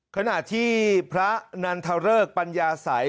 ขณะที่พระนันทเริกปัญญาสัย